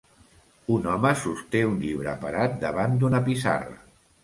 Un home sosté un llibre parat davant d'una pissarra.